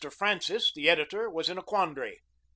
Francis, the editor, was in a quandary.